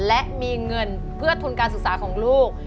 และมีเงินเพื่อทุนการศึกษาของลูก